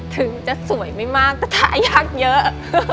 ถึงจะสวยไม่มากแต่ทายากเยอะ